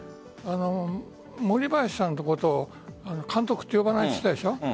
森林さんのことを監督って呼ばないって言っていたでしょう。